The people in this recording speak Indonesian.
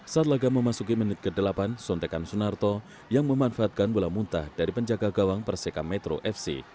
saat laga memasuki menit ke delapan sontekan sunarto yang memanfaatkan bola muntah dari penjaga gawang perseka metro fc